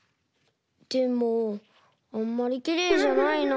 でもあんまりきれいじゃないな。